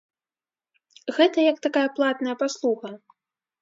Гэта, як такая платная паслуга.